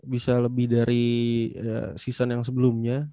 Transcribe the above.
bisa lebih dari season yang sebelumnya